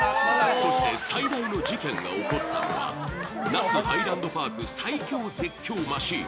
そして最大の事件が起こったのは那須ハイランドパーク最恐絶叫マシーン